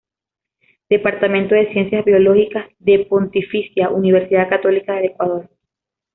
Departamento de Ciencias Biológicas", de Pontificia Universidad Católica del Ecuador.